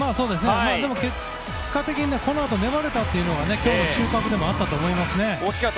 でも、結果的にこのあと粘れたというのは今日の収穫でもあったと思います。